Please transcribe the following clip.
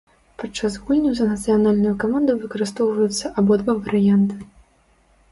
Падчас гульняў за нацыянальную каманду выкарыстоўваюцца абодва варыянты.